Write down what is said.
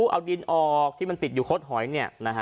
เอาดินออกที่มันติดอยู่คดหอย